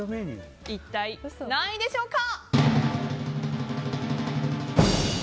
一体何位でしょうか。